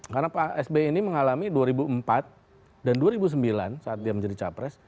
karena pak s b ini mengalami dua ribu empat dan dua ribu sembilan saat dia menjadi capres